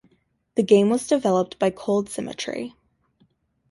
The game was developed by Cold Symmetry.